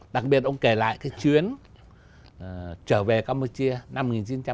đặc biệt ông kể lại cái chuyến trở về campuchia năm một nghìn chín trăm bảy mươi ba